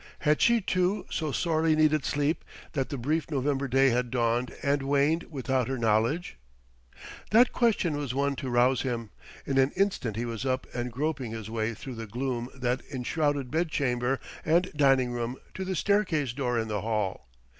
Had she, too, so sorely needed sleep that the brief November day had dawned and waned without her knowledge? That question was one to rouse him: in an instant he was up and groping his way through the gloom that enshrouded bed chamber and dining room to the staircase door in the hall.